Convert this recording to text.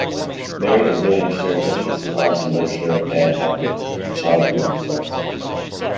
Mary and William shared interests in arts and literature and had been childhood friends.